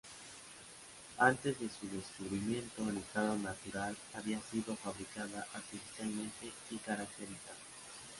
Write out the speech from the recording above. Antes de su descubrimiento en estado natural había sido fabricada artificialmente y caracterizada.